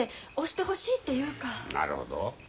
なるほど。